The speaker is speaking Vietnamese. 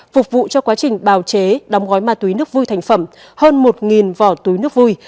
phục vụ cho quá trình bào chế đóng gói ma túy nước vui thành phẩm hơn một vỏ túy nước vui